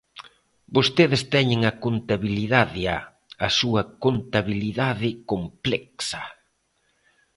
Vostedes teñen a contabilidade A, a súa contabilidade complexa.